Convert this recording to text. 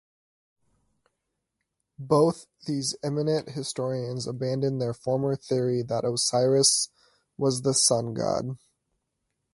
Both these eminent historians abandoned their former theory that Osiris was the Sun-god.